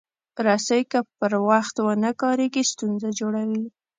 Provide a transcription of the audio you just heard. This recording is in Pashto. رسۍ که پر وخت ونه کارېږي، ستونزه جوړوي.